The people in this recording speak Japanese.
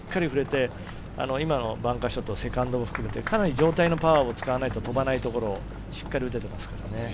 今のバンカーショット、セカンドを含めて、上体のパワーを使わないと飛ばないところをしっかり打てています。